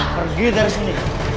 pergi dari sini